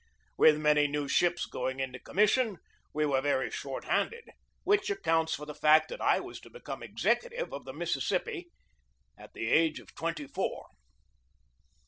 With many new ships going into commission, we were very short handed, which accounts for the fact that I was to become executive of the Mississippi at the age of twenty four.